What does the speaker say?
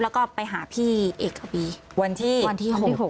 แล้วก็ไปหาพี่เอกวีวันที่วันที่หกวันที่หก